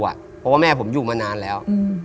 เพราะว่าแม่ผมอยู่มานานแล้ว